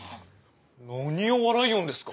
何を笑いよんですか？